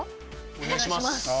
お願いします。